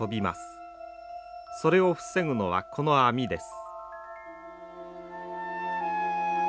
それを防ぐのはこの網です。